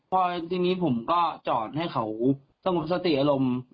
พอทีนี้ผมก็จอดให้เขาสงบสติอารมณ์